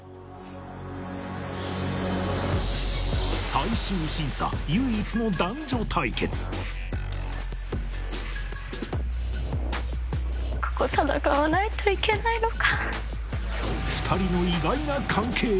最終審査唯一のここ戦わないといけないのか。